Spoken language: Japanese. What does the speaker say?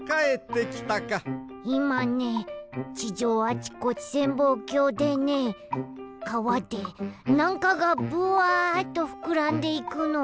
いまね地上あちこち潜望鏡でねかわでなんかがブワッとふくらんでいくのをみたよ。